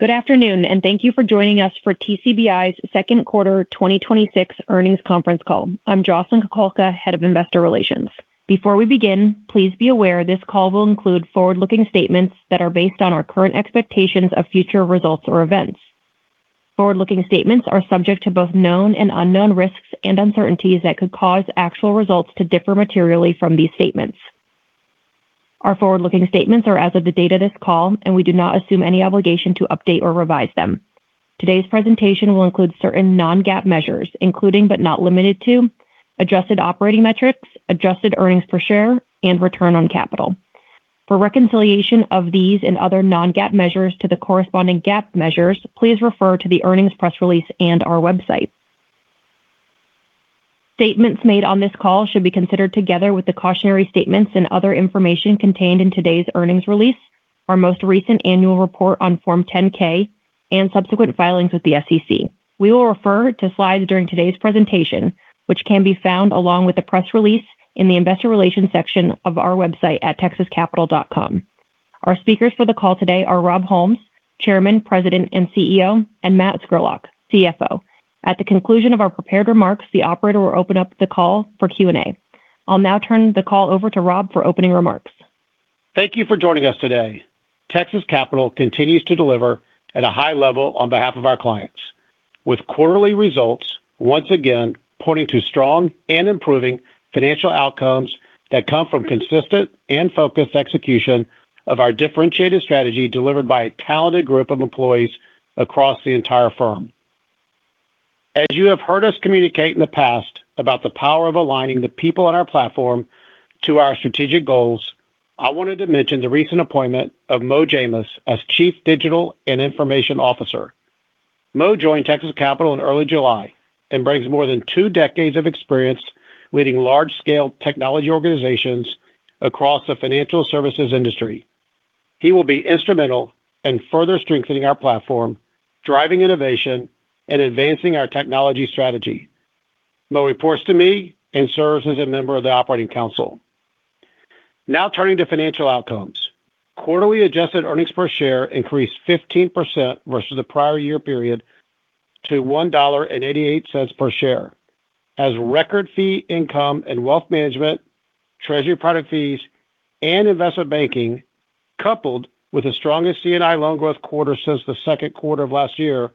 Good afternoon. Thank you for joining us for TCBI's second quarter 2026 earnings conference call. I'm Jocelyn Kukulka, Head of Investor Relations. Before we begin, please be aware this call will include forward-looking statements that are based on our current expectations of future results or events. Forward-looking statements are subject to both known and unknown risks and uncertainties that could cause actual results to differ materially from these statements. Our forward-looking statements are as of the date of this call, and we do not assume any obligation to update or revise them. Today's presentation will include certain non-GAAP measures, including but not limited to adjusted operating metrics, adjusted earnings per share, and return on capital. For reconciliation of these and other non-GAAP measures to the corresponding GAAP measures, please refer to the earnings press release and our website. Statements made on this call should be considered together with the cautionary statements and other information contained in today's earnings release, our most recent annual report on Form 10-K, and subsequent filings with the SEC. We will refer to slides during today's presentation, which can be found along with the press release in the Investor Relations section of our website at texascapital.com. Our speakers for the call today are Rob Holmes, Chairman, President, and CEO, and Matt Scurlock, CFO. At the conclusion of our prepared remarks, the operator will open up the call for Q&A. I'll now turn the call over to Rob for opening remarks. Thank you for joining us today. Texas Capital continues to deliver at a high level on behalf of our clients, with quarterly results once again pointing to strong and improving financial outcomes that come from consistent and focused execution of our differentiated strategy delivered by a talented group of employees across the entire firm. As you have heard us communicate in the past about the power of aligning the people on our platform to our strategic goals, I wanted to mention the recent appointment of Mo Jamous as Chief Digital and Information Officer. Mo joined Texas Capital in early July and brings more than two decades of experience leading large-scale technology organizations across the financial services industry. He will be instrumental in further strengthening our platform, driving innovation, and advancing our technology strategy. Mo reports to me and serves as a member of the operating council. Now, turning to financial outcomes. Quarterly adjusted earnings per share increased 15% versus the prior year period to $1.88 per share. Record fee income and wealth management, treasury product fees, and investment banking, coupled with the strongest C&I loan growth quarter since the second quarter of last year,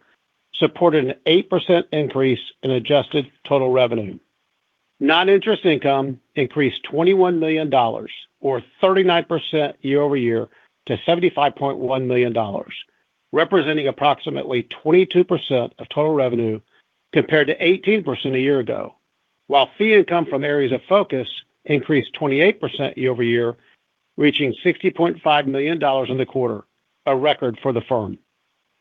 supported an 8% increase in adjusted total revenue. Non-interest income increased $21 million, or 39% year-over-year, to $75.1 million, representing approximately 22% of total revenue, compared to 18% a year ago. Fee income from areas of focus increased 28% year-over-year, reaching $60.5 million in the quarter, a record for the firm.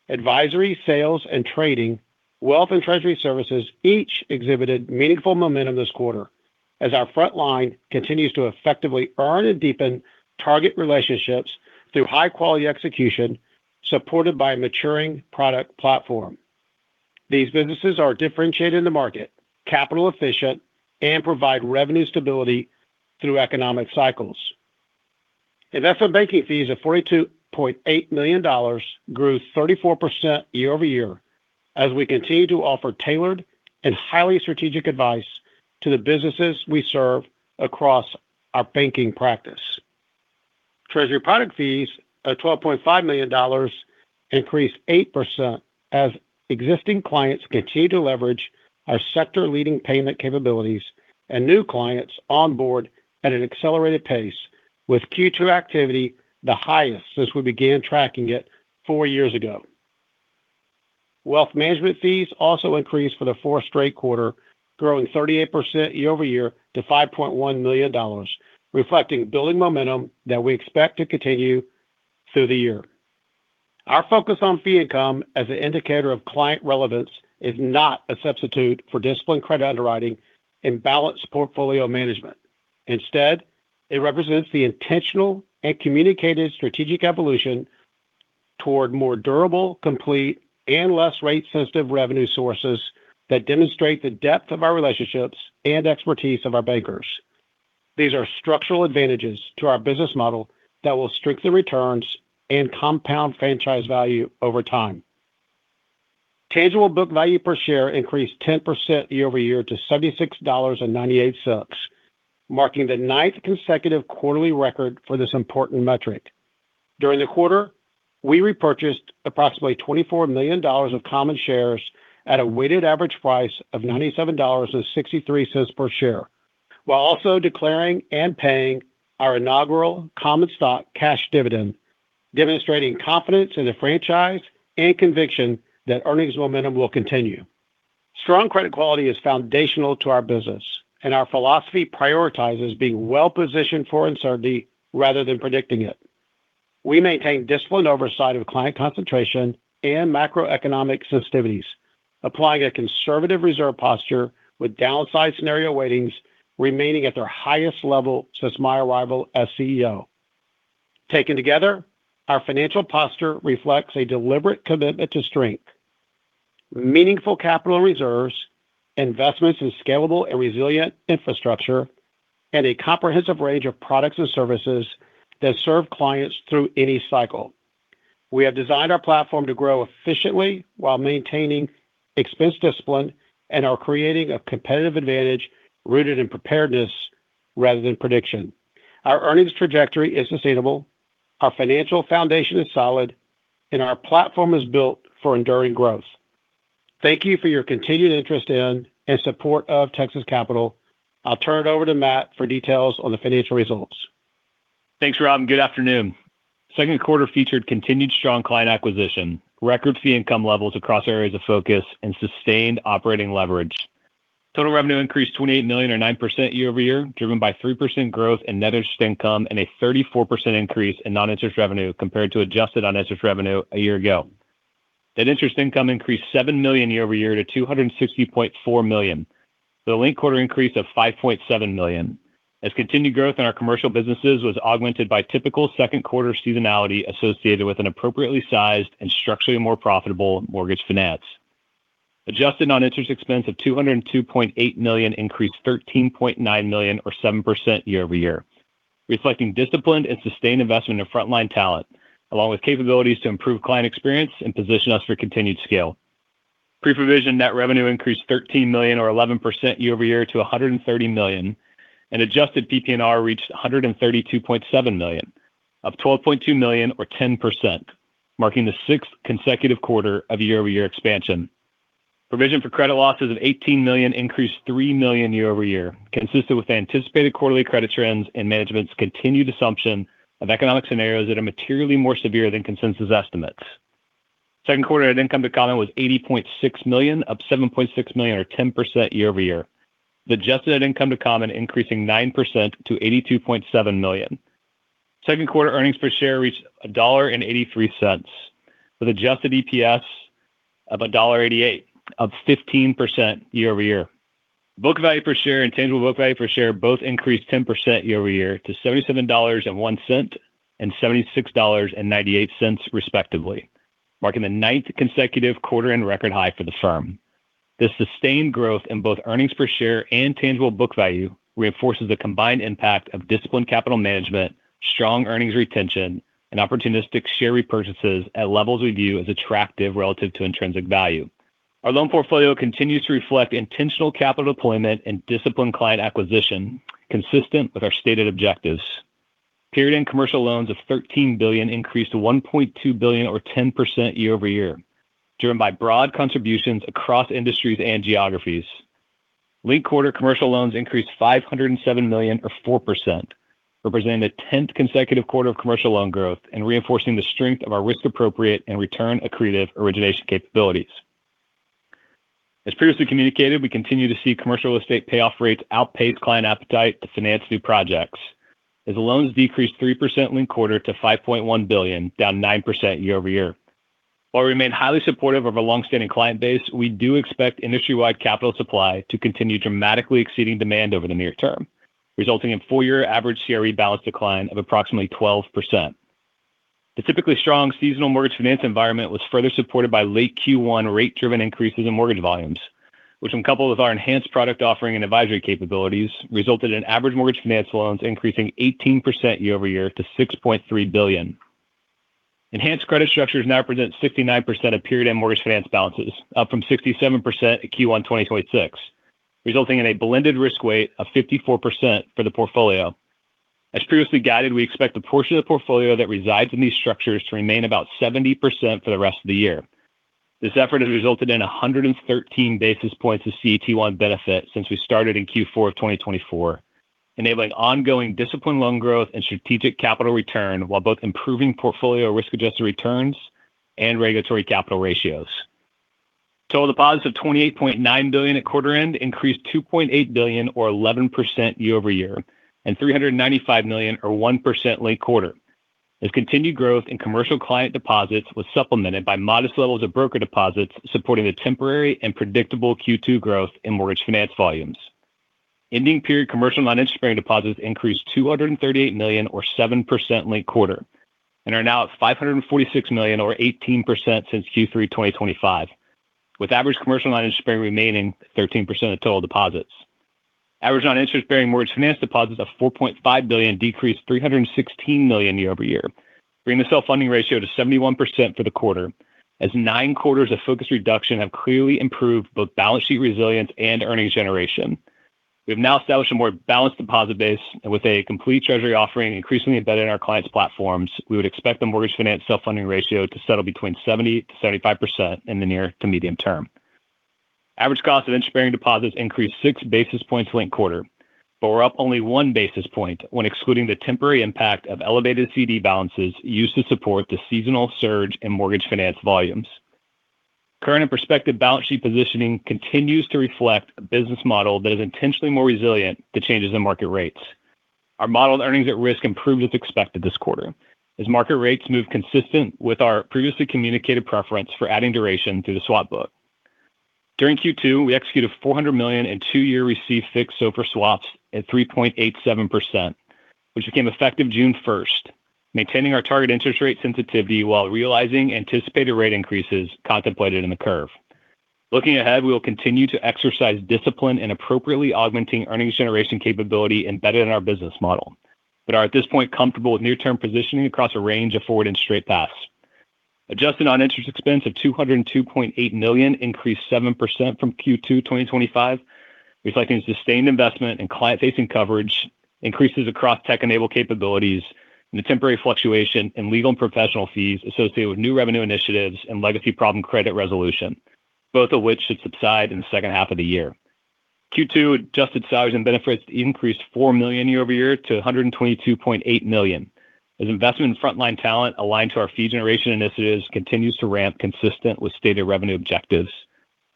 Advisory, sales, and trading, wealth and treasury services each exhibited meaningful momentum this quarter as our front line continues to effectively earn and deepen target relationships through high-quality execution supported by a maturing product platform. These businesses are differentiated in the market, capital efficient, and provide revenue stability through economic cycles. Investment banking fees of $42.8 million grew 34% year-over-year as we continue to offer tailored and highly-strategic advice to the businesses we serve across our banking practice. Treasury product fees of $12.5 million increased 8% as existing clients continue to leverage our sector-leading payment capabilities and new clients onboard at an accelerated pace with Q2 activity the highest since we began tracking it four years ago. Wealth management fees also increased for the fourth straight quarter, growing 38% year-over-year to $5.1 million, reflecting building momentum that we expect to continue through the year. Our focus on fee income as an indicator of client relevance is not a substitute for disciplined credit underwriting and balanced portfolio management. Instead, it represents the intentional and communicated strategic evolution toward more durable, complete, and less rate-sensitive revenue sources that demonstrate the depth of our relationships and expertise of our bankers. These are structural advantages to our business model that will strengthen returns and compound franchise value over time. Tangible book value per share increased 10% year-over-year to $76.98, marking the ninth consecutive quarterly record for this important metric. During the quarter, we repurchased approximately $24 million of common shares at a weighted average price of $97.63 per share, while also declaring and paying our inaugural common stock cash dividend, demonstrating confidence in the franchise and conviction that earnings momentum will continue. Strong credit quality is foundational to our business, and our philosophy prioritizes being well positioned for uncertainty rather than predicting it. We maintain disciplined oversight of client concentration and macroeconomic sensitivities, applying a conservative reserve posture with downside scenario weightings remaining at their highest level since my arrival as CEO. Taken together, our financial posture reflects a deliberate commitment to strength. Meaningful capital reserves, investments in scalable and resilient infrastructure, and a comprehensive range of products and services that serve clients through any cycle. We have designed our platform to grow efficiently while maintaining expense discipline, and are creating a competitive advantage rooted in preparedness rather than prediction. Our earnings trajectory is sustainable, our financial foundation is solid, and our platform is built for enduring growth. Thank you for your continued interest in and support of Texas Capital. I'll turn it over to Matt for details on the financial results. Thanks, Rob. Good afternoon. Second quarter featured continued strong client acquisition, record fee income levels across areas of focus, and sustained operating leverage. Total revenue increased $28 million or 9% year-over-year, driven by 3% growth in net interest income and a 34% increase in non-interest revenue compared to adjusted non-interest revenue a year ago. Net interest income increased $7 million year-over-year to $260.4 million, with a linked quarter increase of $5.7 million, as continued growth in our commercial businesses was augmented by typical second quarter seasonality associated with an appropriately-sized and structurally more profitable mortgage finance. Adjusted non-interest expense of $202.8 million increased $13.9 million or 7% year-over-year, reflecting disciplined and sustained investment in frontline talent, along with capabilities to improve client experience and position us for continued scale. Pre-provision net revenue increased $13 million or 11% year-over-year to $130 million, and adjusted PPNR reached $132.7 million, up $12.2 million or 10%, marking the sixth consecutive quarter of year-over-year expansion. Provision for credit losses of $18 million increased $3 million year-over-year, consistent with anticipated quarterly credit trends and management's continued assumption of economic scenarios that are materially more severe than consensus estimates. Second quarter net income to common was $80.6 million, up $7.6 million or 10% year-over-year, with adjusted net income to common increasing 9% to $82.7 million. Second quarter earnings per share reached $1.83, with adjusted EPS of $1.88, up 15% year-over-year. Book value per share and tangible book value per share both increased 10% year-over-year to $77.01 and $76.98 respectively, marking the ninth consecutive quarter and record high for the firm. This sustained growth in both earnings per share and tangible book value reinforces the combined impact of disciplined capital management, strong earnings retention, and opportunistic share repurchases at levels we view as attractive relative to intrinsic value. Our loan portfolio continues to reflect intentional capital deployment and disciplined client acquisition consistent with our stated objectives. Period-end commercial loans of $13 billion increased to $1.2 billion or 10% year-over-year, driven by broad contributions across industries and geographies. Linked quarter commercial loans increased $507 million or 4%, representing the 10th consecutive quarter of commercial loan growth and reinforcing the strength of our risk-appropriate and return accretive origination capabilities. As previously communicated, we continue to see commercial real estate payoff rates outpace client appetite to finance new projects, as loans decreased 3% linked quarter to $5.1 billion, down 9% year-over-year. While we remain highly supportive of a longstanding client base, we do expect industry-wide capital supply to continue dramatically exceeding demand over the near term, resulting in full year average CRE balance decline of approximately 12%. The typically strong seasonal mortgage finance environment was further supported by late Q1 rate-driven increases in mortgage volumes, which when coupled with our enhanced product offering and advisory capabilities, resulted in average mortgage finance loans increasing 18% year-over-year to $6.3 billion. Enhanced credit structures now present 69% of period-end mortgage finance balances, up from 67% at Q1 2026, resulting in a blended risk weight of 54% for the portfolio. As previously guided, we expect the portion of the portfolio that resides in these structures to remain about 70% for the rest of the year. This effort has resulted in 113 basis points of CET1 benefit since we started in Q4 of 2024, enabling ongoing disciplined loan growth and strategic capital return, while both improving portfolio risk-adjusted returns and regulatory capital ratios. Total deposits of $28.9 billion at quarter end increased $2.8 billion or 11% year-over-year, and $395 million or 1% linked quarter, as continued growth in commercial client deposits was supplemented by modest levels of broker deposits supporting the temporary and predictable Q2 growth in mortgage finance volumes. Ending period commercial non-interest bearing deposits increased $238 million or 7% linked quarter, and are now at $546 million or 18% since Q3 2025, with average commercial non-interest bearing remaining 13% of total deposits. Average non-interest bearing mortgage finance deposits of $4.5 billion decreased $316 million year-over-year, bringing the self-funding ratio to 71% for the quarter, as nine quarters of focused reduction have clearly improved both balance sheet resilience and earnings generation. We have now established a more balanced deposit base, and with a complete treasury offering increasingly embedded in our clients' platforms, we would expect the mortgage finance self-funding ratio to settle between 70%-75% in the near to medium term. Average cost of interest-bearing deposits increased 6 basis points linked quarter, but were up only 1 basis point when excluding the temporary impact of elevated CD balances used to support the seasonal surge in mortgage finance volumes. Current and prospective balance sheet positioning continues to reflect a business model that is intentionally more resilient to changes in market rates. Our modeled earnings at risk improved as expected this quarter as market rates moved consistent with our previously communicated preference for adding duration through the swap book. During Q2, we executed a $400 million in two-year received fixed SOFR swaps at 3.87%, which became effective June 1st, maintaining our target interest rate sensitivity while realizing anticipated rate increases contemplated in the curve. Looking ahead, we will continue to exercise discipline in appropriately augmenting earnings generation capability embedded in our business model, but are at this point comfortable with near-term positioning across a range of forward interest rate paths. Adjusted non-interest expense of $202.8 million increased 7% from Q2 2025, reflecting sustained investment in client-facing coverage, increases across tech-enabled capabilities, and the temporary fluctuation in legal and professional fees associated with new revenue initiatives and legacy problem credit resolution, both of which should subside in the second half of the year. Q2 adjusted salaries and benefits increased $4 million year-over-year to $122.8 million, as investment in frontline talent aligned to our fee generation initiatives continues to ramp consistent with stated revenue objectives.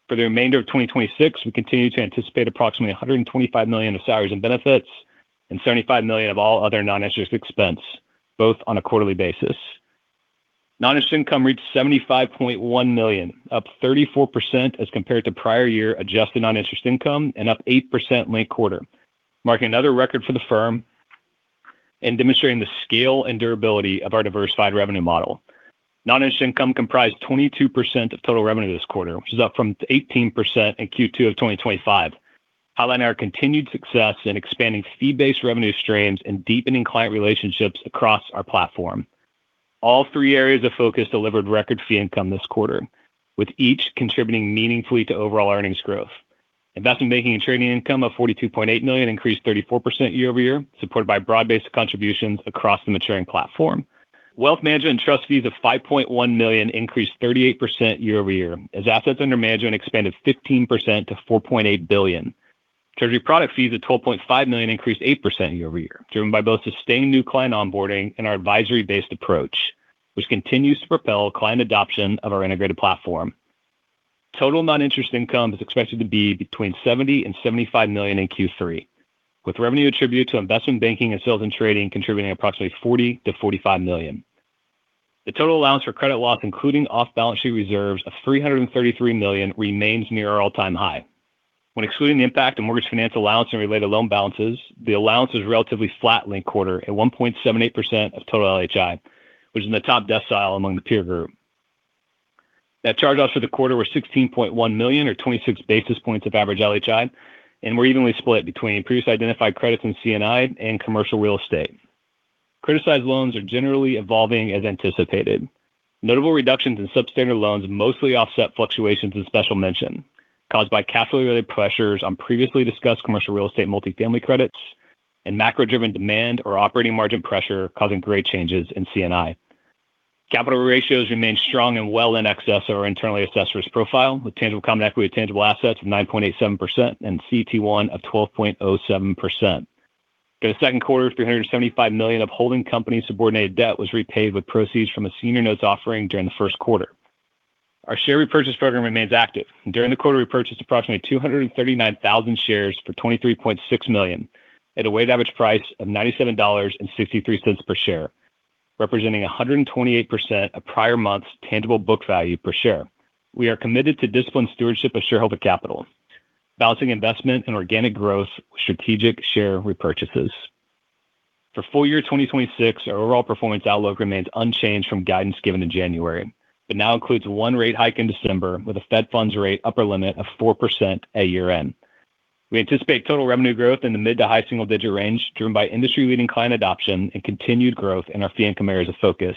For the remainder of 2026, we continue to anticipate approximately $125 million of salaries and benefits and $75 million of all other non-interest expense, both on a quarterly basis. Non-interest income reached $75.1 million, up 34% as compared to prior year adjusted non-interest income and up 8% linked quarter, marking another record for the firm and demonstrating the scale and durability of our diversified revenue model. Non-interest income comprised 22% of total revenue this quarter, which is up from 18% in Q2 of 2025, highlighting our continued success in expanding fee-based revenue streams and deepening client relationships across our platform. All three areas of focus delivered record fee income this quarter, with each contributing meaningfully to overall earnings growth. Investment banking and trading income of $42.8 million increased 34% year-over-year, supported by broad-based contributions across the maturing platform. Wealth management and trust fees of $5.1 million increased 38% year-over-year, as assets under management expanded 15% to $4.8 billion. Treasury product fees of $12.5 million increased 8% year-over-year, driven by both sustained new client onboarding and our advisory-based approach, which continues to propel client adoption of our integrated platform. Total non-interest income is expected to be between $70 million and $75 million in Q3, with revenue attributed to investment banking and sales and trading contributing approximately $40 million-$45 million. The total allowance for credit loss, including off-balance sheet reserves of $333 million, remains near our all-time high. When excluding the impact of mortgage finance allowance and related loan balances, the allowance was relatively flat linked quarter at 1.78% of total LHI, which is in the top decile among the peer group. Net charge-offs for the quarter were $16.1 million or 26 basis points of average LHI and were evenly split between previously identified credits in C&I and commercial real estate. Criticized loans are generally evolving as anticipated. Notable reductions in substandard loans mostly offset fluctuations in special mention caused by capital-related pressures on previously discussed commercial real estate multifamily credits and macro-driven demand or operating margin pressure causing grade changes in C&I. Capital ratios remain strong and well in excess of our internally assessed risk profile, with tangible common equity at tangible assets of 9.87% and CET1 of 12.07%. During the second quarter, $375 million of holding company subordinated debt was repaid with proceeds from a senior notes offering during the first quarter. Our share repurchase program remains active. During the quarter, we purchased approximately 239,000 shares for $23.6 million at a weighted average price of $97.63 per share, representing 128% of prior month's tangible book value per share. We are committed to disciplined stewardship of shareholder capital, balancing investment and organic growth with strategic share repurchases. For full year 2026, our overall performance outlook remains unchanged from guidance given in January but now includes one rate hike in December with a Fed funds rate upper limit of 4% at year end. We anticipate total revenue growth in the mid to high single-digit range, driven by industry-leading client adoption and continued growth in our fee income areas of focus.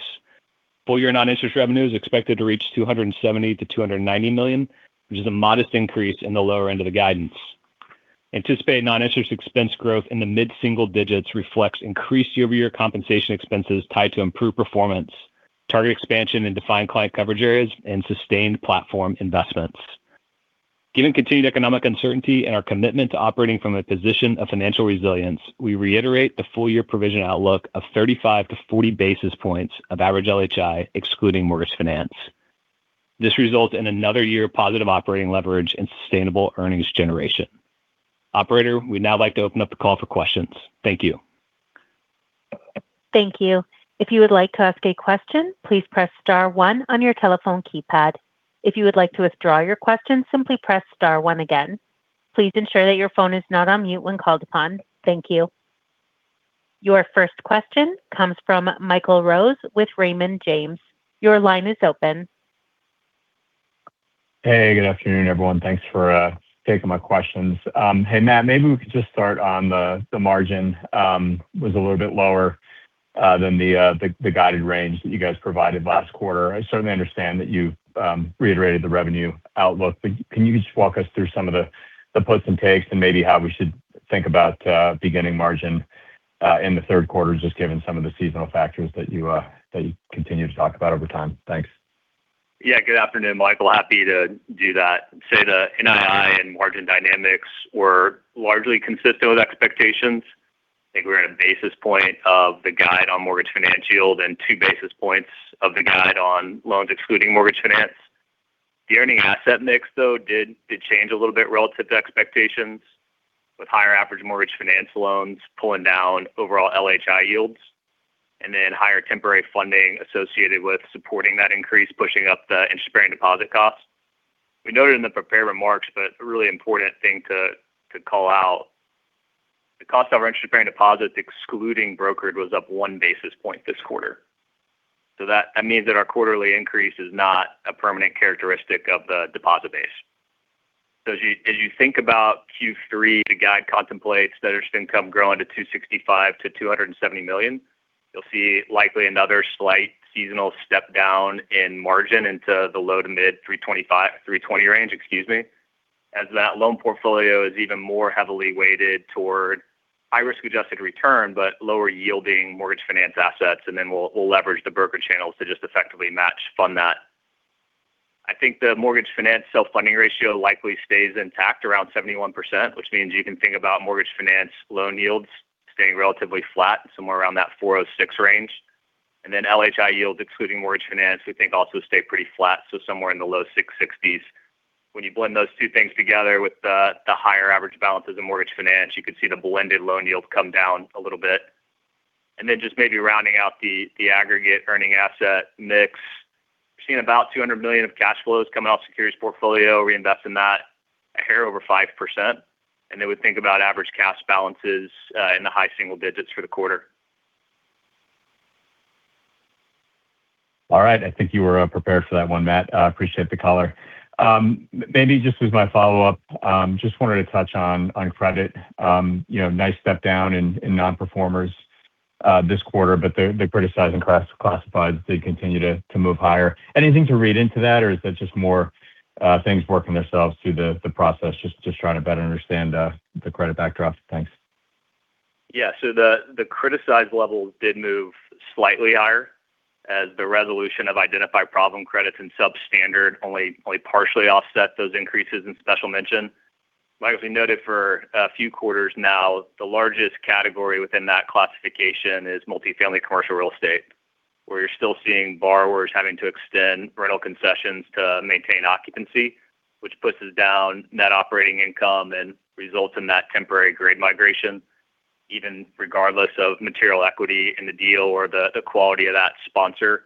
Full year non-interest revenue is expected to reach $270 million-$290 million, which is a modest increase in the lower end of the guidance. Anticipated non-interest expense growth in the mid-single-digits reflects increased year-over-year compensation expenses tied to improved performance, target expansion in defined client coverage areas, and sustained platform investments. Given continued economic uncertainty and our commitment to operating from a position of financial resilience, we reiterate the full-year provision outlook of 35-40 basis points of average LHI, excluding mortgage finance. This results in another year of positive operating leverage and sustainable earnings generation. Operator, we'd now like to open up the call for questions. Thank you. Thank you. If you would like to ask a question, please press star one on your telephone keypad. If you would like to withdraw your question, simply press star one again. Please ensure that your phone is not on mute when called upon. Thank you. Your first question comes from Michael Rose with Raymond James. Your line is open. Hey, good afternoon, everyone. Thanks for taking my questions. Hey, Matt, maybe we could just start on the margin, it was a little bit lower than the guided range that you guys provided last quarter. I certainly understand that you've reiterated the revenue outlook, can you just walk us through some of the puts and takes and maybe how we should think about beginning margin in the third quarter, just given some of the seasonal factors that you continue to talk about over time? Thanks. Good afternoon, Michael. Happy to do that. I'd say the NII and margin dynamics were largely consistent with expectations. I think we're at 1 basis point of the guide on mortgage finance yield and 2 basis points of the guide on loans excluding mortgage finance. The earning asset mix, though, did change a little bit relative to expectations, with higher average mortgage finance loans pulling down overall LHI yields. Higher temporary funding associated with supporting that increase, pushing up the interest-bearing deposit costs. We noted in the prepared remarks that a really important thing to call out, the cost of our interest-bearing deposits excluding brokerage was up 1 basis point this quarter. That means that our quarterly increase is not a permanent characteristic of the deposit base. As you think about Q3, the guide contemplates net interest income growing to $265 million-$270 million. You'll see likely another slight seasonal step down in margin into the low to mid-325 basis points, 320 basis points range as that loan portfolio is even more heavily weighted toward high risk-adjusted return, but lower yielding mortgage finance assets, and then we'll leverage the broker channels to just effectively match fund that. I think the mortgage finance self-funding ratio likely stays intact around 71%, which means you can think about mortgage finance loan yields staying relatively flat, somewhere around that 406 basis points range. LHI yields excluding mortgage finance, we think also stay pretty flat, so somewhere in the low 660 basis points. When you blend those two things together with the higher average balances in mortgage finance, you could see the blended loan yields come down a little bit. Just maybe rounding out the aggregate earning asset mix. We've seen about $200 million of cash flows coming off the securities portfolio, reinvest in that a hair over 5%. We think about average cash balances in the high single-digits for the quarter. I think you were prepared for that one, Matt. I appreciate the color. Maybe just as my follow-up, just wanted to touch on credit. Nice step down in non-performers this quarter, but they're pretty sized and classified as they continue to move higher. Anything to read into that, or is that just more things working themselves through the process? Just trying to better understand the credit backdrop. Thanks. The criticized levels did move slightly higher as the resolution of identified problem credits and substandard only partially offset those increases in special mention. We noted for a few quarters now, the largest category within that classification is multifamily commercial real estate, where you're still seeing borrowers having to extend rental concessions to maintain occupancy, which pushes down net operating income and results in that temporary grade migration, even regardless of material equity in the deal or the quality of that sponsor.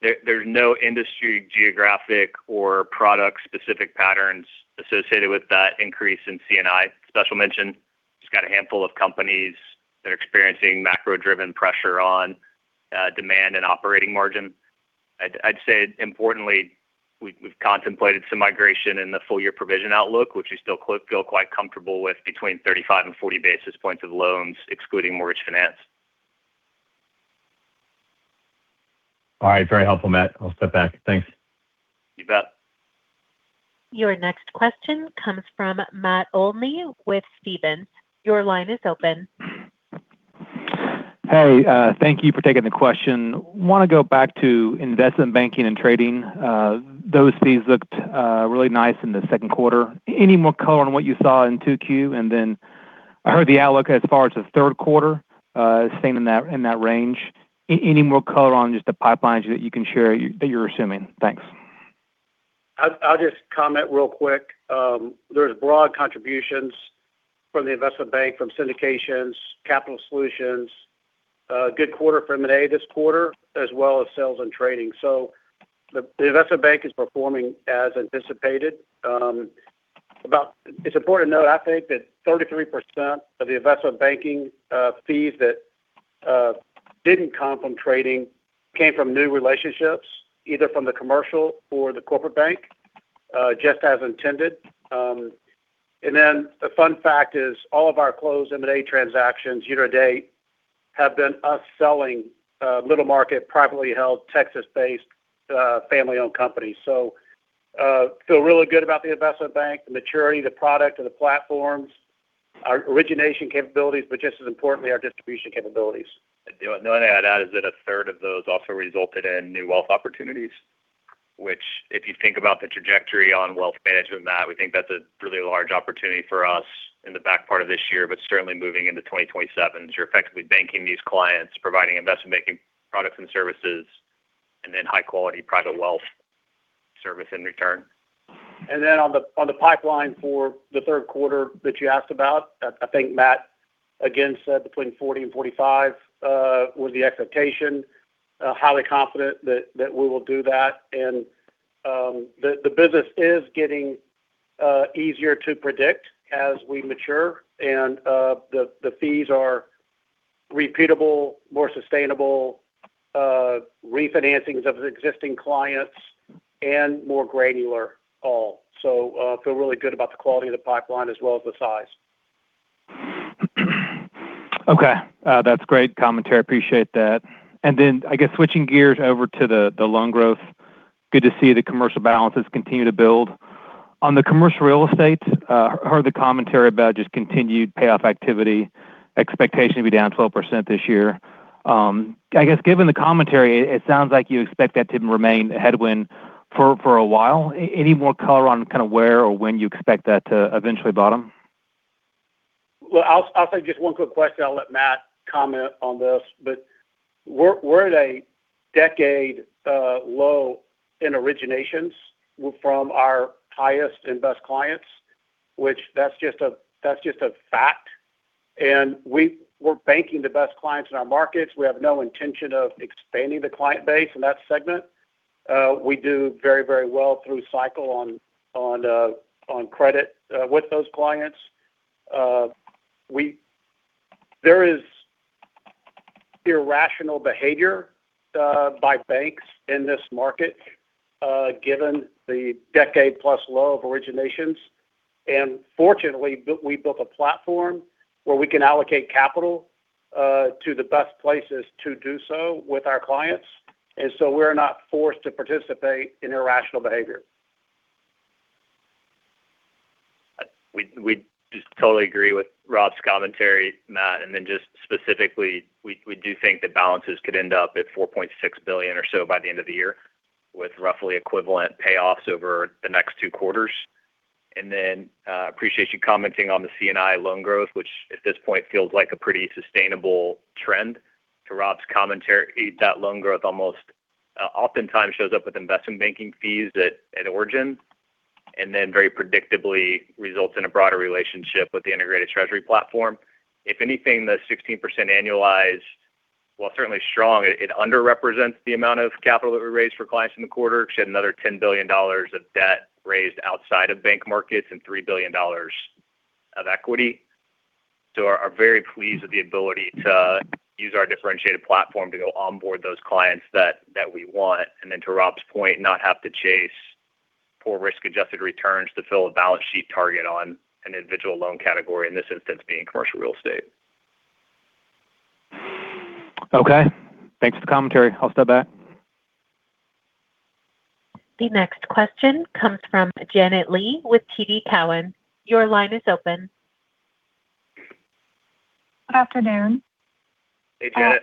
There's no industry geographic or product-specific patterns associated with that increase in C&I special mention. Just got a handful of companies that are experiencing macro-driven pressure on demand and operating margin. I'd say importantly, we've contemplated some migration in the full-year provision outlook, which we still feel quite comfortable with between 35 and 40 basis points of loans excluding mortgage finance. Very helpful, Matt. I'll step back. Thanks. You bet. Your next question comes from Matt Olney with Stephens. Your line is open. Thank you for taking the question. Want to go back to investment banking and trading. Those fees looked really nice in the second quarter. Any more color on what you saw in 2Q? I heard the outlook as far as the third quarter staying in that range. Any more color on just the pipelines that you can share that you're assuming? Thanks. I'll just comment real quick. There's broad contributions from the investment bank, from syndications, capital solutions. A good quarter for M&A this quarter, as well as sales and trading. The investment bank is performing as anticipated. It's important to note, I think, that 33% of the investment banking fees that didn't come from trading came from new relationships, either from the commercial or the corporate bank just as intended. The fun fact is all of our closed M&A transactions year to date have been us selling little market, privately-held, Texas-based, family-owned companies. Feel really good about the investment bank, the maturity of the product and the platforms, our origination capabilities, but just as importantly, our distribution capabilities. The only thing I'd add is that a third of those also resulted in new wealth opportunities. Which, if you think about the trajectory on wealth management, Matt, we think that's a really large opportunity for us in the back part of this year, but certainly moving into 2027. You're effectively banking these clients, providing investment banking products and services, and then high-quality private wealth service in return. On the pipeline for the third quarter that you asked about, I think Matt again said between $40 million and $45 million was the expectation. Highly confident that we will do that. The business is getting easier to predict as we mature. The fees are repeatable, more sustainable, refinancings of existing clients, and more granular all. Feel really good about the quality of the pipeline as well as the size. That's great commentary. Appreciate that. I guess switching gears over to the loan growth. Good to see the commercial balances continue to build. On the commercial real estate, heard the commentary about just continued payoff activity, expectation to be down 12% this year. I guess given the commentary, it sounds like you expect that to remain a headwind for a while. Any more color on kind of where or when you expect that to eventually bottom? Well, I'll say just one quick question. I'll let Matt comment on this. We're at a decade low in originations from our highest and best clients, which that's just a fact. We're banking the best clients in our markets. We have no intention of expanding the client base in that segment. We do very well through cycle on credit with those clients. There is irrational behavior by banks in this market given the decade-plus low of originations. Fortunately, we built a platform where we can allocate capital to the best places to do so with our clients. We're not forced to participate in irrational behavior. We just totally agree with Rob's commentary, Matt, just specifically, we do think that balances could end up at $4.6 billion or so by the end of the year with roughly equivalent payoffs over the next two quarters. Appreciate you commenting on the C&I loan growth, which at this point feels like a pretty sustainable trend. To Rob's commentary, that loan growth almost oftentimes shows up with investment banking fees at origin, very predictably results in a broader relationship with the integrated treasury platform. If anything, the 16% annualized, while certainly strong, it underrepresents the amount of capital that we raised for clients in the quarter because we had another $10 billion of debt raised outside of bank markets and $3 billion of equity. We are very pleased with the ability to use our differentiated platform to go onboard those clients that we want and then to Rob's point, not have to chase poor risk-adjusted returns to fill a balance sheet target on an individual loan category, in this instance being commercial real estate. Thanks for the commentary. I'll step back. The next question comes from Janet Lee with TD Cowen. Your line is open. Good afternoon. Hey, Janet.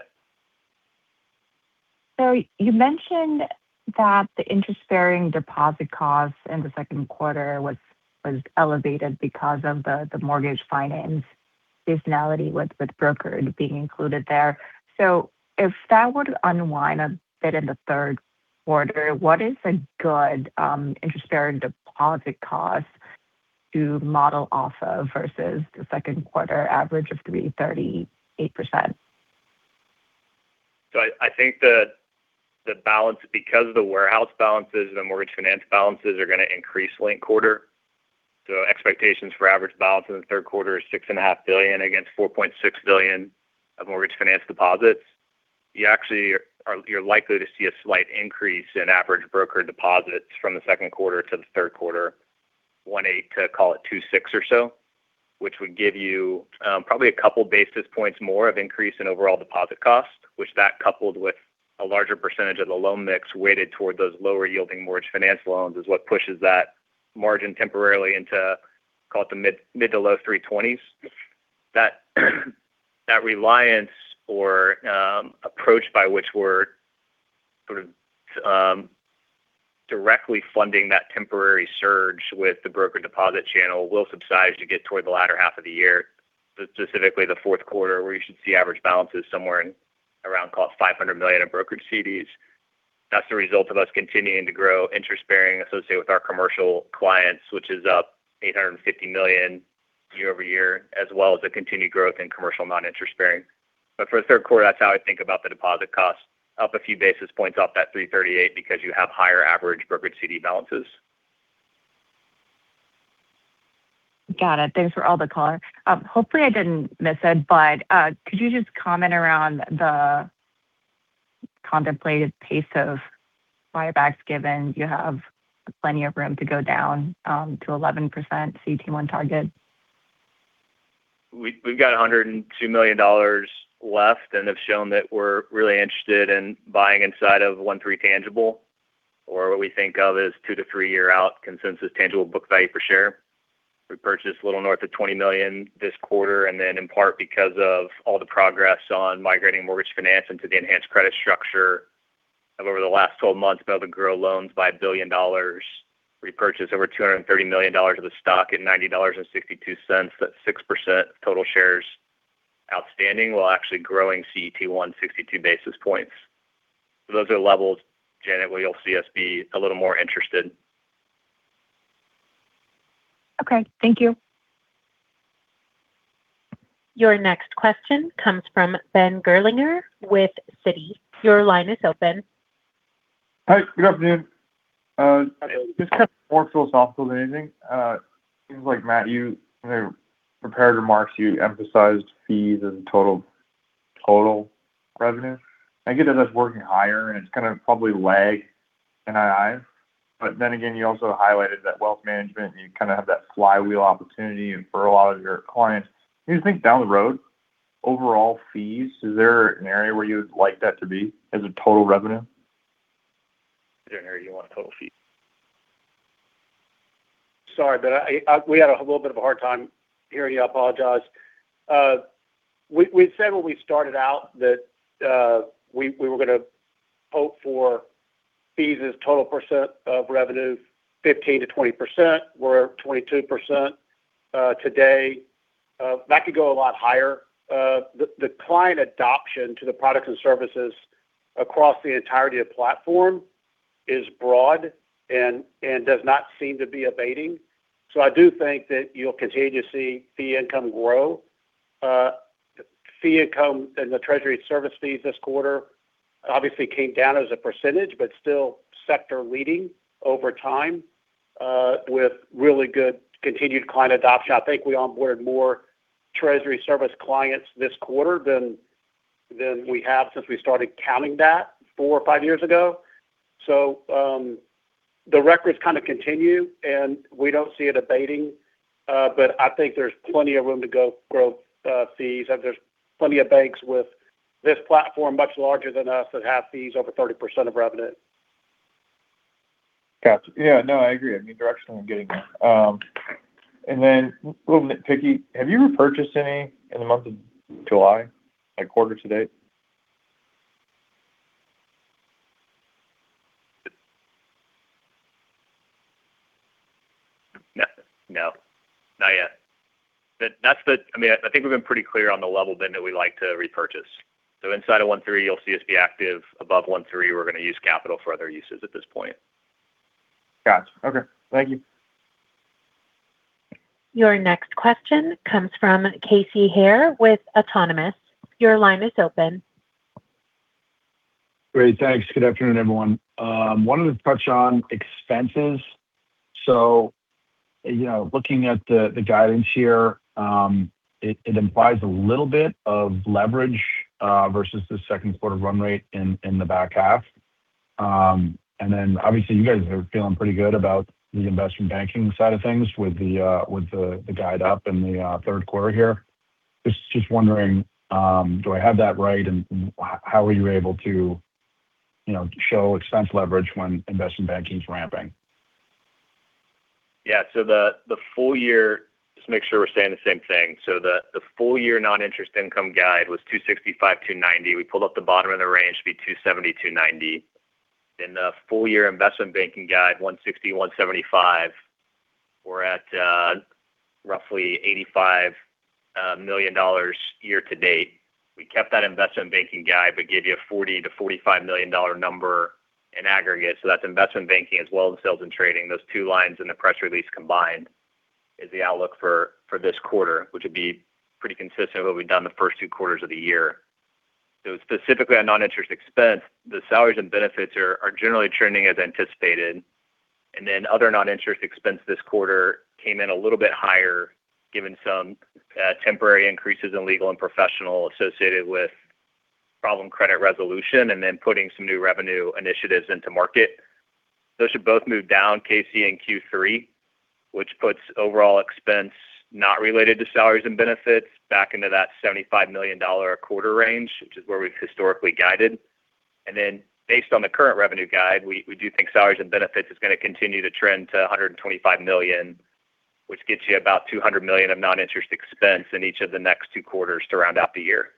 You mentioned that the interest-bearing deposit costs in the second quarter was elevated because of the mortgage finance seasonality with brokered being included there. If that were to unwind a bit in the third quarter, what is a good interest-bearing deposit cost to model off of versus the second quarter average of 3.38%? I think that because of the warehouse balances and the mortgage finance balances are going to increase linked quarter, the expectations for average balance in the third quarter is $6.5 billion against $4.6 billion of mortgage finance deposits. You're likely to see a slight increase in average brokered deposits from the second quarter to the third quarter, $1.8 billion to call it $2.6 billion or so, which would give you probably a couple basis points more of increase in overall deposit cost, which that coupled with a larger percentage of the loan mix weighted toward those lower yielding mortgage finance loans is what pushes that margin temporarily into, call it the mid to low 320 basis points. That reliance or approach by which we're sort of directly funding that temporary surge with the brokered deposit channel will subside as you get toward the latter half of the year, specifically the fourth quarter where you should see average balances somewhere around, call it $500 million in brokered CDs. That's the result of us continuing to grow interest bearing associated with our commercial clients, which is up $850 million year-over-year, as well as the continued growth in commercial non-interest bearing. For the third quarter, that's how I think about the deposit cost. Up a few basis points off that 3.38% because you have higher average brokered CD balances. Got it. Thanks for all the color. Hopefully, I didn't miss it, but could you just comment around the contemplated pace of buybacks given you have plenty of room to go down to 11% CET1 target? We've got $102 million left and have shown that we're really interested in buying inside of 1.3x tangible or what we think of as two- to three-year out consensus tangible book value per share. We purchased a little north of $20 million this quarter, and then in part because of all the progress on migrating mortgage finance into the enhanced credit structure over the last 12 months, been able to grow loans by $1 billion. Repurchase over $230 million of the stock at $90.62. That's 6% of total shares outstanding while actually growing CET1 62 basis points. Those are levels, Janet, where you'll see us be a little more interested. Thank you. Your next question comes from Ben Gerlinger with Citi. Your line is open. Hi, good afternoon. Just kind of more philosophical than anything. Seems like Matt, in your prepared remarks, you emphasized fees as total revenue. I get that that's working higher and it's going to probably lag NII. You also highlighted that wealth management and you kind of have that flywheel opportunity for a lot of your clients. Do you think down the road, overall fees, is there an area where you would like that to be as a total revenue? Is there an area you want on total fees? Sorry, we had a little bit of a hard time hearing you. I apologize. We said when we started out that we were going to hope for fees as total percent of revenue, 15%-20%. We're at 22% today. That could go a lot higher. The client adoption to the products and services across the entirety of platform is broad and does not seem to be abating. I do think that you'll continue to see fee income grow. Fee income in the treasury service fees this quarter obviously came down as a percentage, but still sector leading over time with really good continued client adoption. I think we onboarded more treasury service clients this quarter than we have since we started counting that four or five years ago. The records continue, and we don't see it abating. I think there's plenty of room to grow fees, and there's plenty of banks with this platform much larger than us that have fees over 30% of revenue. Got you. I agree. I mean, directionally I'm getting there. A little bit picky, have you repurchased any in the month of July, like quarter to date? No. Not yet. I think we've been pretty clear on the level then that we like to repurchase. Inside of 1.3x, you'll see us be active. Above 1.3x, we're going to use capital for other uses at this point. Got you. Thank you. Your next question comes from Casey Haire with Autonomous. Your line is open. Great, thanks. Good afternoon, everyone. Wanted to touch on expenses. Looking at the guidance here, it implies a little bit of leverage versus the second quarter run rate in the back half. Obviously you guys are feeling pretty good about the investment banking side of things with the guide up in the third quarter here. Just wondering, do I have that right, and how are you able to show expense leverage when investment banking's ramping? Just make sure we're saying the same thing. The full year non-interest income guide was $265 million-$290 million. We pulled up the bottom of the range to be $270 million-$290 million. The full year investment banking guide $160 million-$175 million. We're at roughly $85 million year to date. We kept that investment banking guide but gave you a $40 million-$45 million number in aggregate. That's investment banking as well as sales and trading. Those two lines in the press release combined is the outlook for this quarter, which would be pretty consistent with what we've done the first two quarters of the year. Specifically on non-interest expense, the salaries and benefits are generally trending as anticipated. Other non-interest expense this quarter came in a little bit higher given some temporary increases in legal and professional associated with problem credit resolution and then putting some new revenue initiatives into market. Those should both move down, Casey, in Q3, which puts overall expense not related to salaries and benefits back into that $75 million a quarter range, which is where we've historically guided. Based on the current revenue guide, we do think salaries and benefits is going to continue to trend to $125 million, which gets you about $200 million of non-interest expense in each of the next two quarters to round out the year.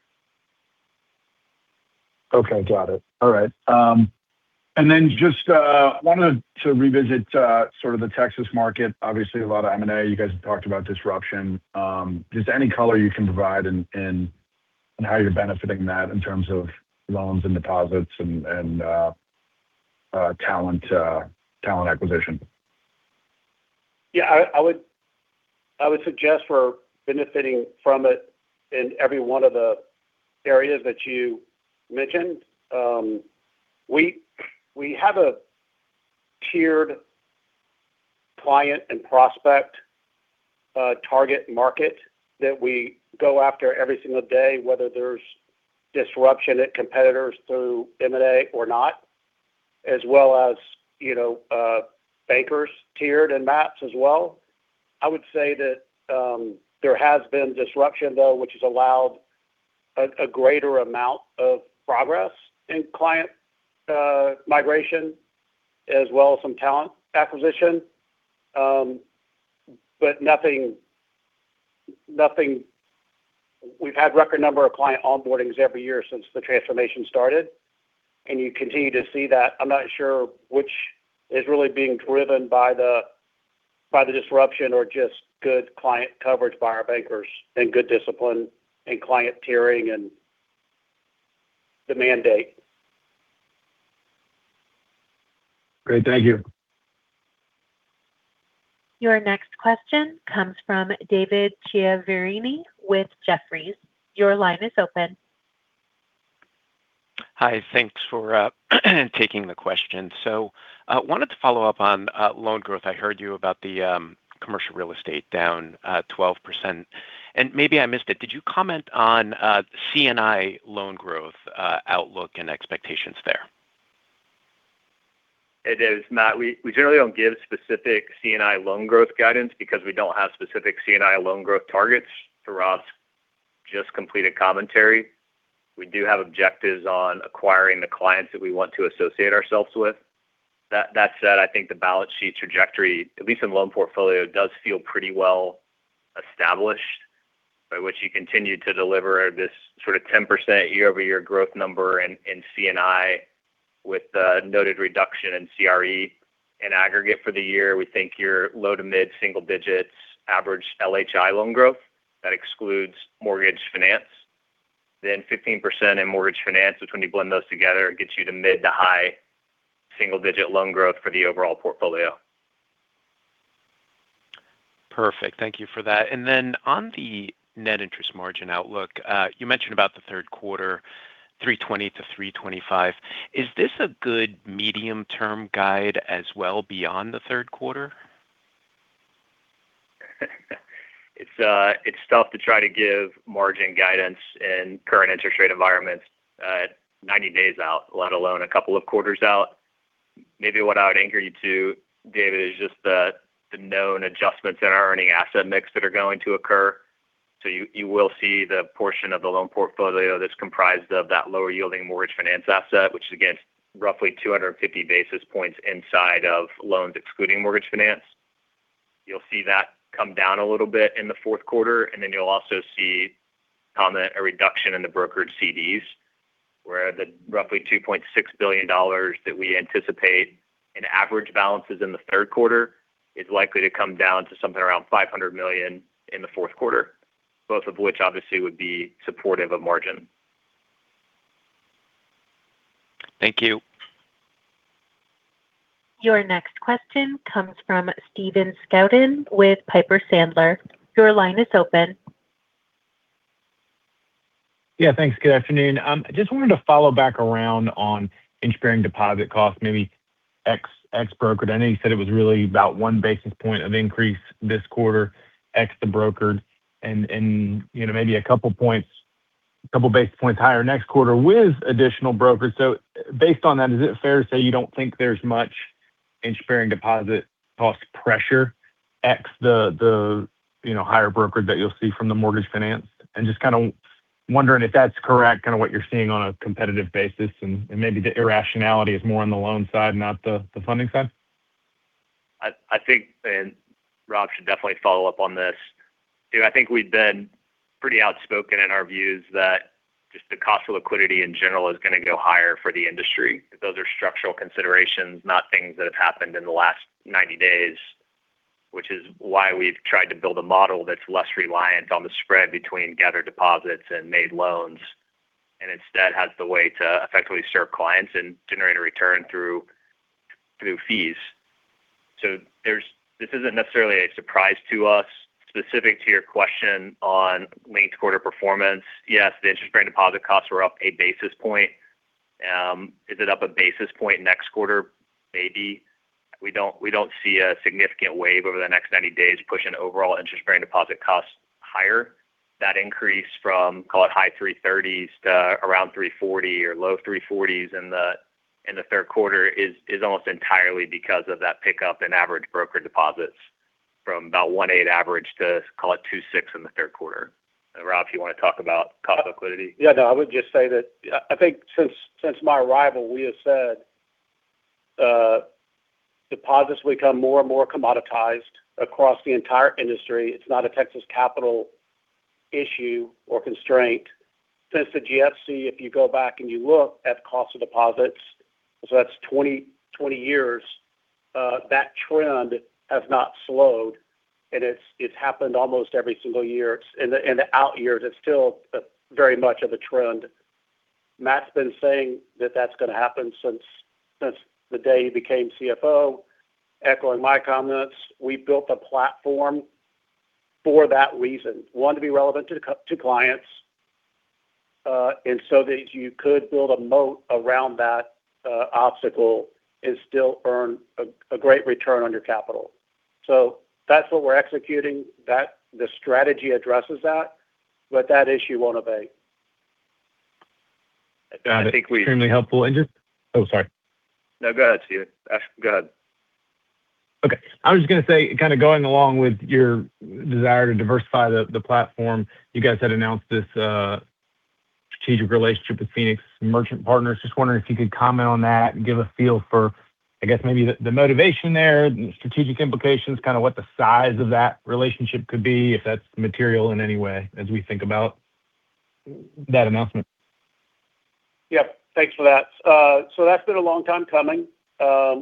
Got it. All right. Just wanted to revisit sort of the Texas market. Obviously, a lot of M&A. You guys have talked about disruption. Just any color you can provide in how you're benefiting that in terms of loans and deposits and talent acquisition. I would suggest we're benefiting from it in every one of the areas that you mentioned. We have a tiered client and prospect target market that we go after every single day, whether there's disruption at competitors through M&A or not, as well as bankers tiered and maps as well. I would say that there has been disruption, though, which has allowed a greater amount of progress in client migration as well as some talent acquisition. We've had record number of client onboardings every year since the transformation started, and you continue to see that. I'm not sure which is really being driven by the disruption or just good client coverage by our bankers and good discipline and client tiering and the mandate. Great. Thank you. Your next question comes from David Chiaverini with Jefferies. Your line is open. Hi. Thanks for taking the question. Wanted to follow up on loan growth. I heard you about the commercial real estate down 12%. Maybe I missed it. Did you comment on C&I loan growth outlook and expectations there? Hey David, this is Matt. We generally don't give specific C&I loan growth guidance because we don't have specific C&I loan growth targets throughout just completed commentary. We do have objectives on acquiring the clients that we want to associate ourselves with. That said, I think the balance sheet trajectory, at least in loan portfolio, does feel pretty well established by which you continue to deliver this sort of 10% year-over-year growth number in C&I with the noted reduction in CRE in aggregate for the year. We think your low to mid-single-digits average LHI loan growth. That excludes mortgage finance. 15% in mortgage finance. When you blend those together, it gets you to mid to high single-digit loan growth for the overall portfolio. Perfect. Thank you for that. Then on the net interest margin outlook, you mentioned about the third quarter, 320-325 basis points. Is this a good medium-term guide as well beyond the third quarter? It's tough to try to give margin guidance in current interest rate environments at 90 days out, let alone a couple of quarters out. Maybe what I would anchor you to, David, is just the known adjustments in our earning asset mix that are going to occur. You will see the portion of the loan portfolio that's comprised of that lower yielding mortgage finance asset, which is again, roughly 250 basis points inside of loans excluding mortgage finance. You'll see that come down a little bit in the fourth quarter. You'll also see on that a reduction in the brokered CDs, where the roughly $2.6 billion that we anticipate in average balances in the third quarter is likely to come down to something around $500 million in the fourth quarter, both of which obviously would be supportive of margin. Thank you. Your next question comes from Stephen Scouten with Piper Sandler. Your line is open. Thanks. Good afternoon. Just wanted to follow back around on interest-bearing deposit costs, maybe ex-brokered. I know you said it was really about 1 basis point of increase this quarter, ex the brokered, and maybe a couple basis points higher next quarter with additional brokers. Based on that, is it fair to say you don't think there's much interest-bearing deposit cost pressure, ex the higher brokerage that you'll see from the mortgage finance? And just kind of wondering if that's correct, kind of what you're seeing on a competitive basis, and maybe the irrationality is more on the loan side, not the funding side. I think, Rob should definitely follow up on this. I think we've been pretty outspoken in our views that just the cost of liquidity in general is going to go higher for the industry. Those are structural considerations, not things that have happened in the last 90 days, which is why we've tried to build a model that's less reliant on the spread between gathered deposits and made loans, and instead has the way to effectively serve clients and generate a return through fees. This isn't necessarily a surprise to us. Specific to your question on linked quarter performance. Yes, the interest bearing deposit costs were up 1 basis point. Is it up 1 basis point next quarter? Maybe. We don't see a significant wave over the next 90 days pushing overall interest bearing deposit costs higher. That increase from, call it high 330 basis points to around 340 basis points or low 340 basis points in the third quarter is almost entirely because of that pickup in average broker deposits from about $1.8 billion average to, call it $2.6 billion in the third quarter. Rob, if you want to talk about cost of liquidity. I would just say that I think since my arrival, we have said deposits become more and more commoditized across the entire industry. It's not a Texas Capital issue or constraint. Since the GFC, if you go back and you look at cost of deposits, that's 20 years, that trend has not slowed, and it's happened almost every single year. In the out years, it's still very much of a trend. Matt's been saying that that's going to happen since the day he became CFO. Echoing my comments, we built a platform for that reason. One, to be relevant to clients, and so that you could build a moat around that obstacle and still earn a great return on your capital. That's what we're executing. The strategy addresses that, but that issue won't abate. I think- Extremely helpful. Oh, sorry. No, go ahead, Stephen. Go ahead. I was just going to say, kind of going along with your desire to diversify the platform, you guys had announced this strategic relationship with Phoenix Merchant Partners. Just wondering if you could comment on that and give a feel for, I guess maybe the motivation there, the strategic implications, kind of what the size of that relationship could be, if that's material in any way as we think about that announcement. Thanks for that. That's been a long time coming.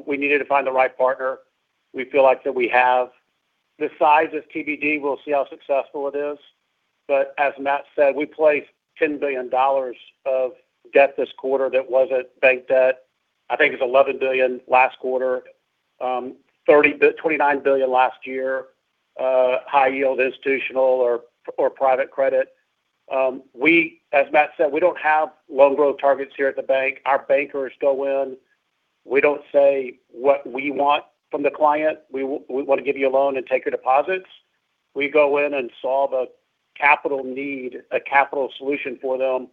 We needed to find the right partner. We feel like that we have. The size is TBD. We'll see how successful it is. As Matt said, we placed $10 billion of debt this quarter that wasn't bank debt. I think it was $11 billion last quarter. $29 billion last year. High yield institutional or private credit. As Matt said, we don't have loan growth targets here at the bank. Our bankers go in. We don't say what we want from the client. We want to give you a loan and take your deposits. We go in and solve a capital need, a capital solution for them.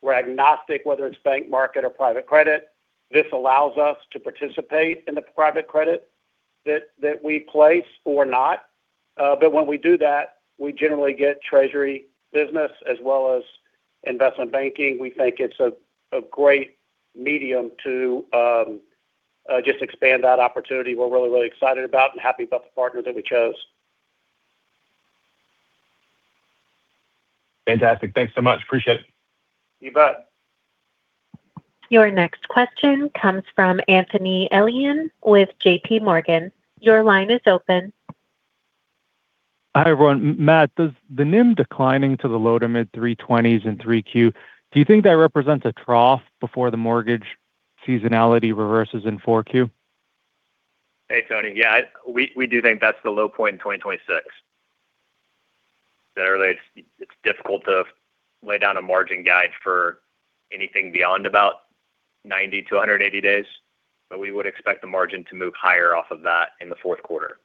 We're agnostic whether it's bank market or private credit. This allows us to participate in the private credit that we place or not. When we do that, we generally get treasury business as well as investment banking. We think it's a great medium to just expand that opportunity. We're really, really excited about and happy about the partner that we chose. Fantastic. Thanks so much. Appreciate it. You bet. Your next question comes from Anthony Elian with JPMorgan. Your line is open. Hi, everyone. Matt, does the NIM declining to the low to mid 320 basis points in 3Q, do you think that represents a trough before the mortgage seasonality reverses in 4Q? Hey, Tony. We do think that's the low point in 2026. Generally, it's difficult to lay down a margin guide for anything beyond about 90-180 days. We would expect the margin to move higher off of that in the fourth quarter.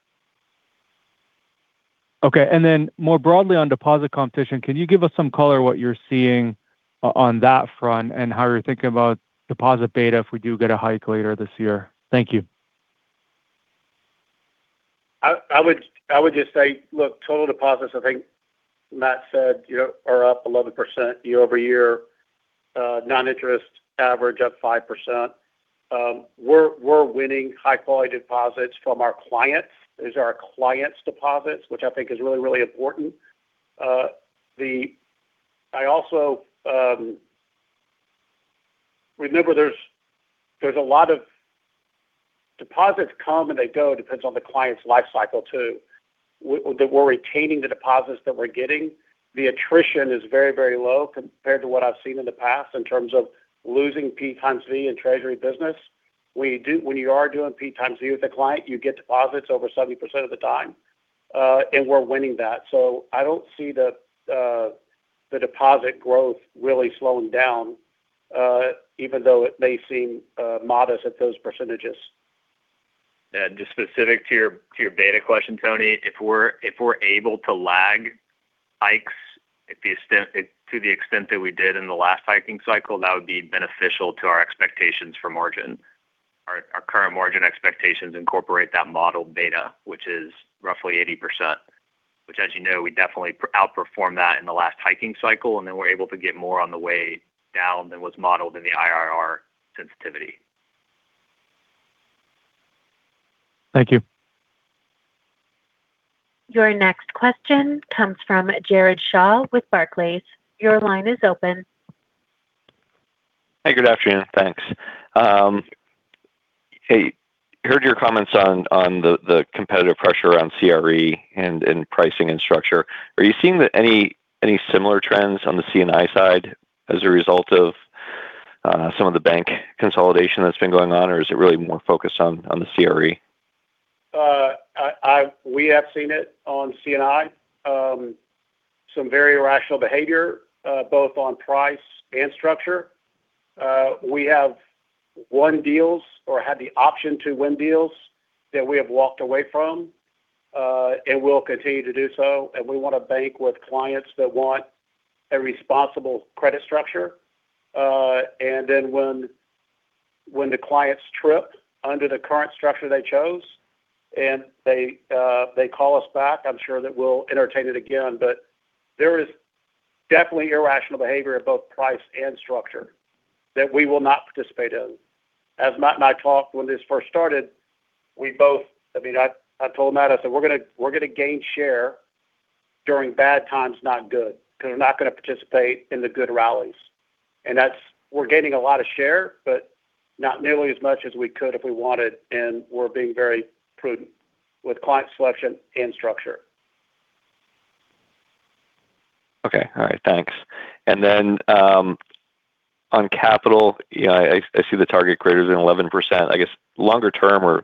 More broadly on deposit competition, can you give us some color what you're seeing on that front and how you're thinking about deposit beta if we do get a hike later this year? Thank you. I would just say, look, total deposits, I think Matt said, are up 11% year-over-year. Non-interest average up 5%. We're winning high-quality deposits from our clients. These are our clients' deposits, which I think is really important. Remember, a lot of deposits come and they go. It depends on the client's life cycle, too. We're retaining the deposits that we're getting. The attrition is very low compared to what I've seen in the past in terms of losing P x V in Treasury business. When you are doing P x V with a client, you get deposits over 70% of the time. We're winning that. I don't see the deposit growth really slowing down, even though it may seem modest at those percentages. Just specific to your data question, Tony, if we're able to lag hikes to the extent that we did in the last hiking cycle, that would be beneficial to our expectations for margin. Our current margin expectations incorporate that modeled data, which is roughly 80%. Which as you know, we definitely outperformed that in the last hiking cycle, and then we're able to get more on the way down than was modeled in the IRR sensitivity. Thank you. Your next question comes from Jared Shaw with Barclays. Your line is open. Hey, good afternoon. Thanks. Heard your comments on the competitive pressure around CRE and in pricing and structure. Are you seeing any similar trends on the C&I side as a result of some of the bank consolidation that's been going on? Is it really more focused on the CRE? We have seen it on C&I. Some very irrational behavior, both on price and structure. We have won deals or had the option to win deals that we have walked away from. We'll continue to do so. We want to bank with clients that want a responsible credit structure. When the clients trip under the current structure they chose and they call us back, I'm sure that we'll entertain it again. There is definitely irrational behavior in both price and structure that we will not participate in. As Matt and I talked when this first started, I told Matt we're going to gain share during bad times, not good, because we're not going to participate in the good rallies. We're gaining a lot of share, but not nearly as much as we could if we wanted, and we're being very prudent with client selection and structure. Thanks. On capital, I see the target greater than 11%. I guess longer term or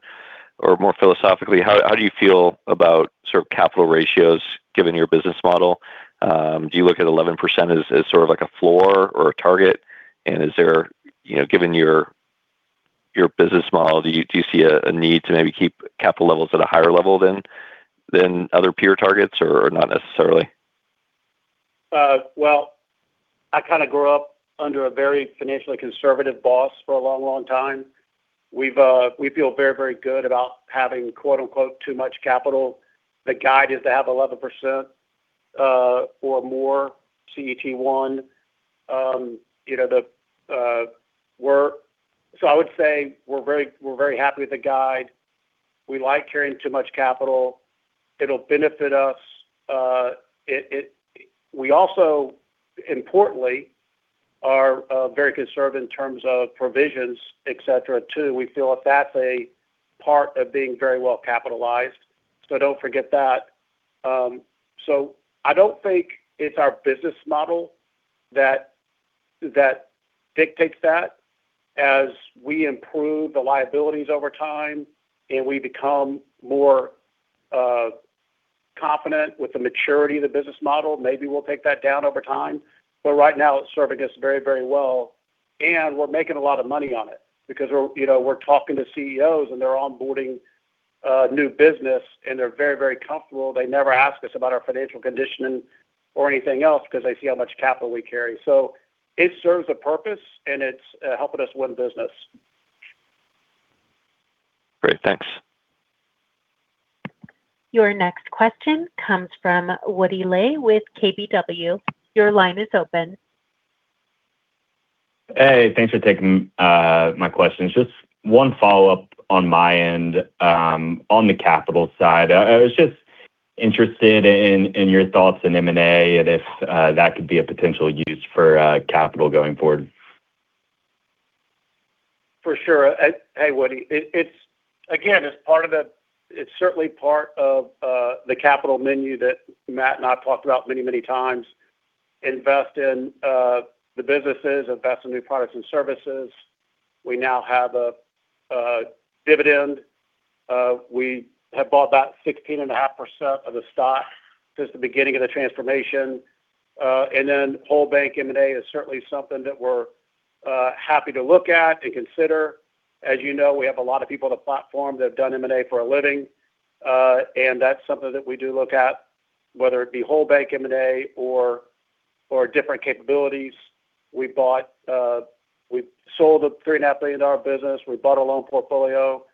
more philosophically, how do you feel about capital ratios given your business model? Do you look at 11% as sort of like a floor or a target? Given your business model, do you see a need to maybe keep capital levels at a higher level than other peer targets, or not necessarily? Well, I kind of grew up under a very financially conservative boss for a long time. We feel very good about having "too much capital." The guide is to have 11% or more CET1. I would say we're very happy with the guide. We like carrying too much capital. It'll benefit us. We also, importantly, are very conservative in terms of provisions, et cetera, too. We feel that's a part of being very well capitalized. Don't forget that. I don't think it's our business model that dictates that. As we improve the liabilities over time and we become more confident with the maturity of the business model, maybe we'll take that down over time. Right now, it's serving us very well. We're making a lot of money on it because we're talking to CEOs and they're onboarding new business and they're very comfortable. They never ask us about our financial conditioning or anything else because they see how much capital we carry. It serves a purpose, and it's helping us win business. Great. Thanks. Your next question comes from Woody Lay with KBW. Your line is open. Hey, thanks for taking my questions. Just one follow-up on my end on the capital side. I was just interested in your thoughts on M&A and if that could be a potential use for capital going forward. For sure. Hey, Woody. Again, it's certainly part of the capital menu that Matt and I have talked about many, many times. Invest in the businesses, invest in new products and services. We now have a dividend. We have bought back 16.5% of the stock since the beginning of the transformation. Whole bank M&A is certainly something that we're happy to look at and consider. As you know, we have a lot of people on the platform that have done M&A for a living. That's something that we do look at, whether it be whole bank M&A or different capabilities. We sold a $3.5 billion business. We bought a loan portfolio.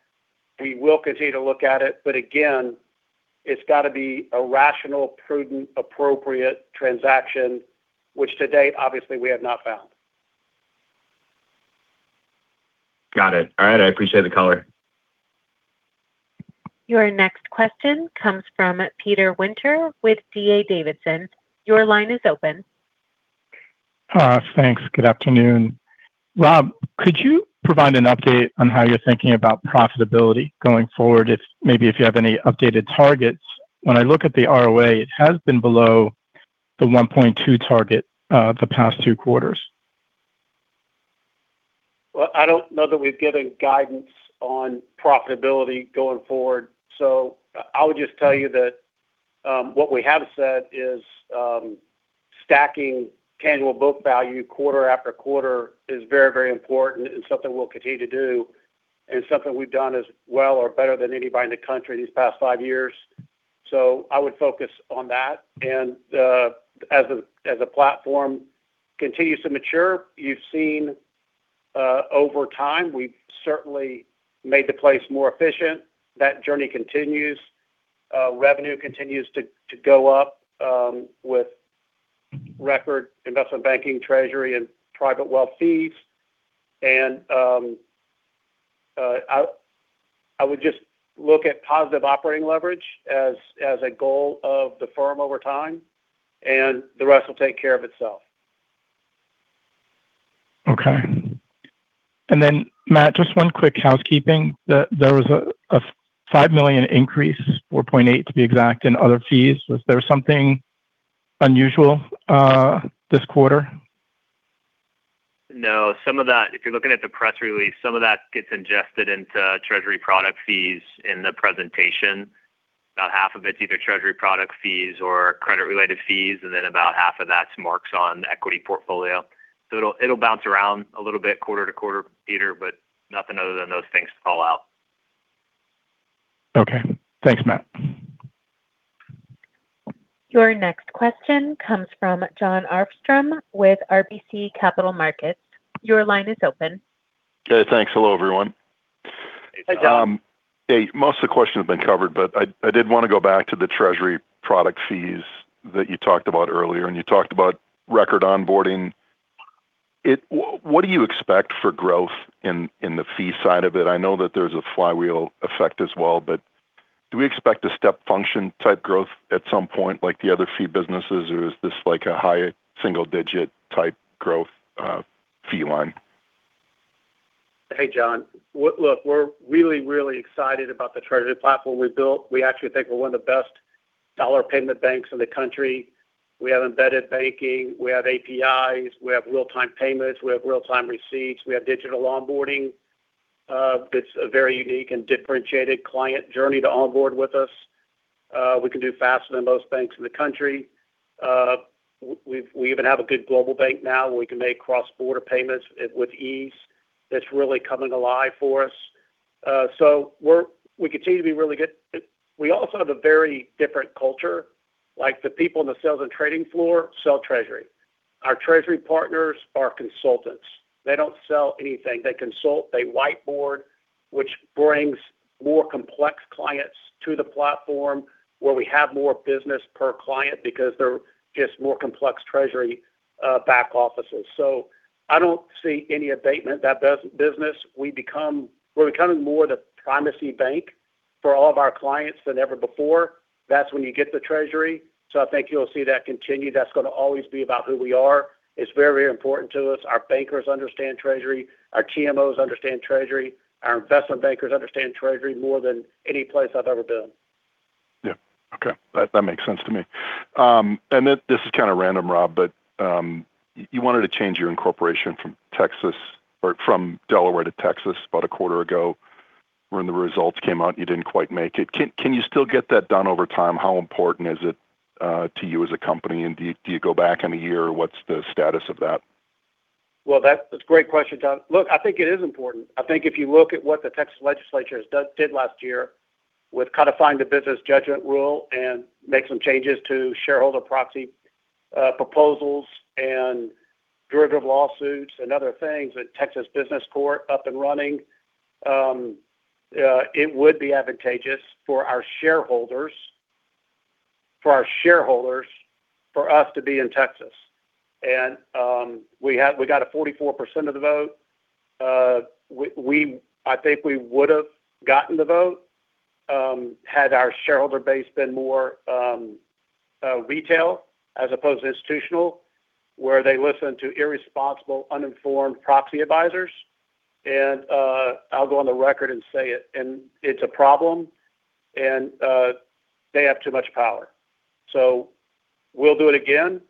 We will continue to look at it, but again, it's got to be a rational, prudent, appropriate transaction, which to date, obviously, we have not found. Got it. I appreciate the color. Your next question comes from Peter Winter with D.A. Davidson. Your line is open. Thanks. Good afternoon. Rob, could you provide an update on how you're thinking about profitability going forward? Maybe if you have any updated targets. When I look at the ROA, it has been below the 1.2% target the past two quarters. Well, I don't know that we've given guidance on profitability going forward. I would just tell you that what we have said is stacking tangible book value quarter after quarter is very, very important and something we'll continue to do, and something we've done as well or better than anybody in the country these past five years. I would focus on that. As a platform continues to mature, you've seen over time, we've certainly made the place more efficient. That journey continues. Revenue continues to go up with record investment banking treasury and private wealth fees. I would just look at positive operating leverage as a goal of the firm over time, and the rest will take care of itself. Then Matt, just one quick housekeeping. There was a $5 million increase, $4.8 million to be exact, in other fees. Was there something unusual this quarter? No. If you're looking at the press release, some of that gets ingested into treasury product fees in the presentation. About half of it's either treasury product fees or credit-related fees, and then about half of that's marks on the equity portfolio. It'll bounce around a little bit quarter to quarter, Peter, but nothing other than those things to call out. Thanks, Matt. Your next question comes from Jon Arfstrom with RBC Capital Markets. Your line is open. Thanks. Hello, everyone. Hey, Jon. Hey. Most of the questions have been covered, I did want to go back to the treasury product fees that you talked about earlier, you talked about record onboarding. What do you expect for growth in the fee side of it? I know that there's a flywheel effect as well, but do we expect a step function-type growth at some point like the other fee businesses, or is this like a higher single-digit type growth fee line? Hey, Jon. Look, we're really, really excited about the treasury platform we built. We actually think we're one of the best dollar payment banks in the country. We have embedded banking. We have APIs. We have real-time payments. We have real-time receipts. We have digital onboarding. It's a very unique and differentiated client journey to onboard with us. We can do faster than most banks in the country. We even have a good global bank now. We can make cross-border payments with ease. That's really coming alive for us. We continue to be really good. We also have a very different culture, like the people in the sales and trading floor sell treasury. Our treasury partners are consultants. They don't sell anything. They consult, they whiteboard, which brings more complex clients to the platform where we have more business per client because they're just more complex treasury back offices. I don't see any abatement. That business, we're becoming more the primacy bank for all of our clients than ever before. That's when you get the treasury. I think you'll see that continue. That's going to always be about who we are. It's very important to us. Our bankers understand treasury. Our TMOs understand treasury. Our investment bankers understand treasury more than any place I've ever been. That makes sense to me. This is kind of random, Rob, you wanted to change your incorporation from Delaware to Texas about a quarter ago. When the results came out, you didn't quite make it. Can you still get that done over time? How important is it to you as a company? Do you go back in a year? What's the status of that? Well, that's a great question, Jon. Look, I think it is important. I think if you look at what the Texas legislature did last year with codifying the business judgment rule and make some changes to shareholder proxy proposals and derivative lawsuits and other things with Texas Business Court up and running. It would be advantageous for our shareholders, for us to be in Texas. We got a 44% of the vote. I think we would've gotten the vote had our shareholder base been more retail as opposed to institutional, where they listen to irresponsible, uninformed proxy advisors. I'll go on the record and say it, and it's a problem, and they have too much power. We'll do it again,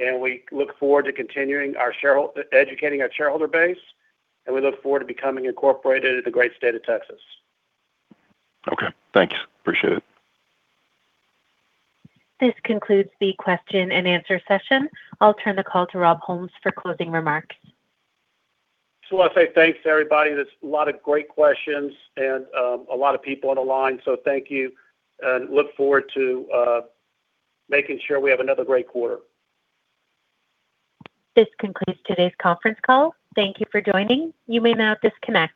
and we look forward to continuing educating our shareholder base, and we look forward to becoming incorporated in the great state of Texas. Thanks. Appreciate it. This concludes the question-and-answer session. I'll turn the call to Rob Holmes for closing remarks. I'll say thanks to everybody. There's a lot of great questions and a lot of people on the line. Thank you, and look forward to making sure we have another great quarter. This concludes today's conference call. Thank you for joining. You may now disconnect.